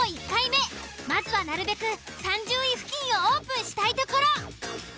１回目まずはなるべく３０位付近をオープンしたいところ。